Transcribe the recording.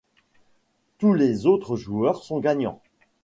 Tous les autres joueurs sont gagnants.